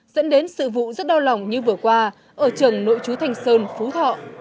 dẫn đến sự vụ rất đau lòng như vừa qua ở trường nội chú thành sơn phú thọ